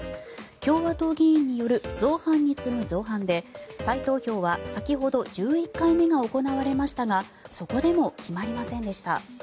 共和党議員による造反に次ぐ造反で再投票は先ほど１１回目が行われましたがそこでも決まりませんでした。